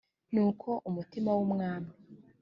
nuko umutima w umwami